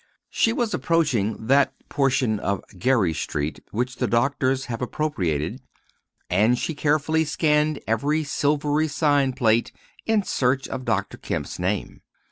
She was approaching that portion of Geary Street which the doctors have appropriated, and she carefully scanned each silvery sign plate in search of Dr. Kemp's name.